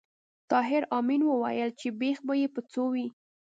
طاهر آمین وویل چې بېخ به یې په څو وي